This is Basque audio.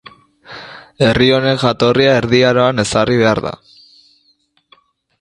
Herri honen jatorria Erdi Aroan ezarri behar da.